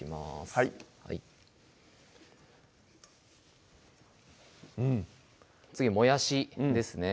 はい次もやしですね